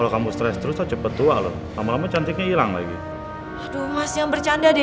loh kok gak ada emasnya